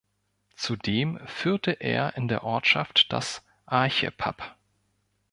Zudem führte er in der Ortschaft das "Arche-Pub".